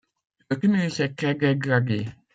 Le tumulus est très dégradé.